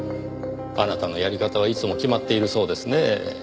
あなたのやり方はいつも決まっているそうですねぇ。